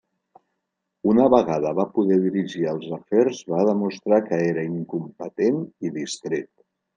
Una vegada va poder dirigir els afers va demostrar que era incompetent i distret.